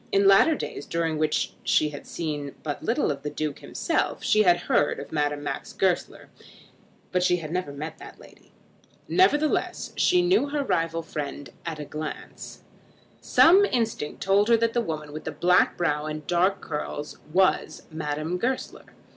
In latter days, during which she had seen but little of the Duke himself, she had heard of Madame Max Goesler, but she had never met that lady. Nevertheless, she knew the rival friend at a glance. Some instinct told her that that woman with the black brow and the dark curls was Madame Goesler.